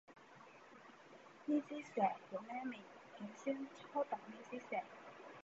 呢隻色叫咩名？點先出到隻色？